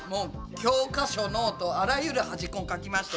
教科書ノートあらゆる端っこにかきました。